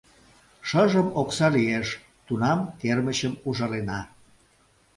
— Шыжым окса лиеш, тунам кермычым ужалена.